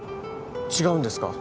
違うんですか？